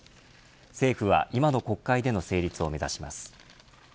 政府は今の国会での成立を目指します。